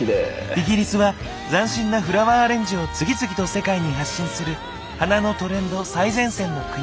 イギリスは斬新なフラワーアレンジを次々と世界に発信する花のトレンド最前線の国。